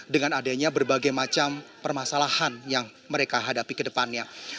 dengan adanya berbagai macam permasalahan yang mereka hadapi ke depannya